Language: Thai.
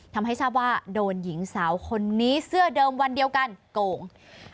ทำให้ทราบว่าโดนหญิงสาวคนนี้เสื้อเดิมวันเดียวกันโกง